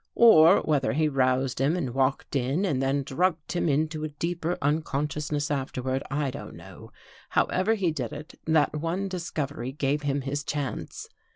Or, whether he roused him and walked in and then drugged him into a deeper unconsciousness afterward, I don't know. However he did it, that one discovery gave him his chance.